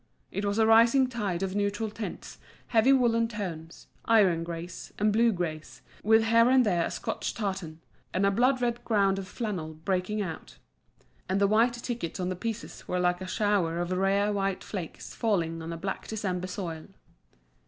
It was a rising tide of neutral tints, heavy woollen tones, iron greys, and blue greys, with here and there a Scotch tartan, and a blood red ground of flannel breaking out. And the white tickets on the pieces were like a shower of rare white flakes falling on a black December soil.